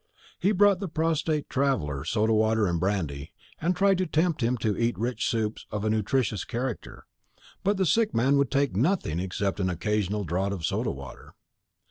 He brought the prostrate traveller soda water and brandy, and tried to tempt him to eat rich soups of a nutritious character; but the sick man would take nothing except an occasional draught of soda water.